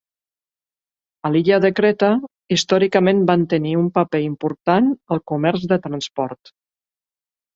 A l'illa de Creta, històricament van tenir un paper important al comerç de transport.